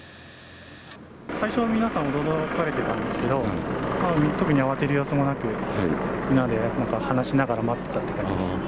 最初は皆さん驚かれてたんですけど、特に慌てる様子もなく、みんなでなんか話しながら待ってたっていう感じですね。